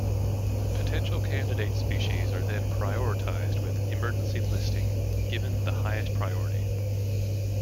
Potential candidate species are then prioritized, with "emergency listing" given the highest priority.